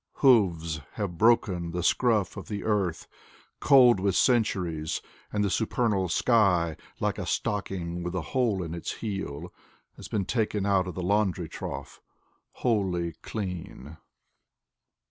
Hooves Have broken The scruff of the earth, Cold with centuries. And the supernal sky, like a stocking With a hole in its heel Has been taken out of the laundry trough Wholly clean.